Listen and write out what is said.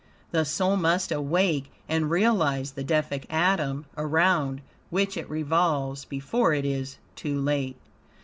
The soul must awake and realize the Deific atom around which it revolves before it is too late.